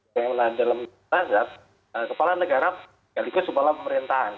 yang menahan dalam terang kepala negara sekaligus kepala pemerintahan